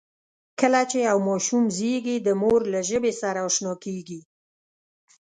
کله چې یو ماشوم زېږي، د مور له ژبې سره آشنا کېږي.